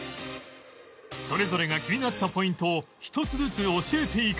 それぞれが気になったポイントを一つずつ教えていく